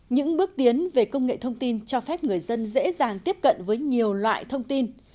những bước tiến về công nghệ thông tin cho phép người dân dễ dàng tiếp cận với nhiều loại thông tin